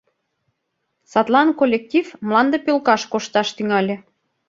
Садлан коллектив мланде пӧлкаш кошташ тӱҥале.